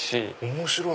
面白い！